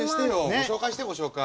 ご紹介してご紹介。